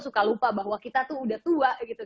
suka lupa bahwa kita tuh udah tua gitu